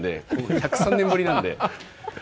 １０３年ぶりなので。